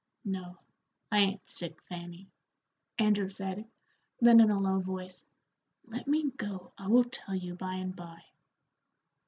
"No, I ain't sick, Fanny," Andrew said; then in a low voice, "Let me go, I will tell you by and by."